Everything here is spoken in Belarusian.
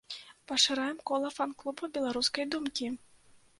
Пашыраем кола фан-клуба беларускай думкі!